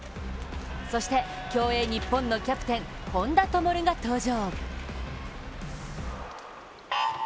そして競泳日本のキャプテン・本多灯が登場。